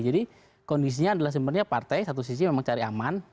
jadi kondisinya adalah sebenarnya partai satu sisi memang cari aman